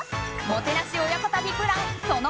もてなし親子旅プラン